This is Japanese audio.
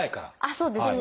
そうですね。